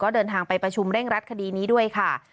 เดินทางไปประชุมเร่งรัดคดีนี้ด้วยค่ะ